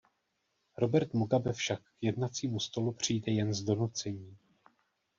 Robert Mugabe však k jednacímu stolu přijde jen z donucení.